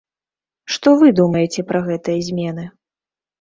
Што вы думаеце пра гэтыя змены?